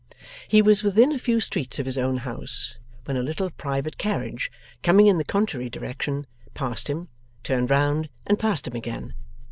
He was within a few streets of his own house, when a little private carriage, coming in the contrary direction, passed him, turned round, and passed him again.